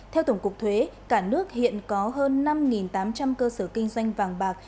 theo tổng cục thuế cả nước hiện có hơn năm tám trăm linh cơ sở kinh doanh vàng bạc